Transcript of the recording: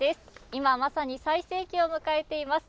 今、まさに最盛期を迎えています。